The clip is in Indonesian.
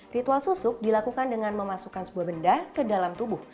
ritual susuk dilakukan dengan memasukkan sebuah benda ke dalam tubuh